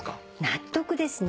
納得ですね。